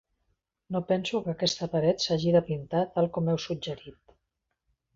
No penso que aquesta paret s'hagi de pintar tal com heu suggerit.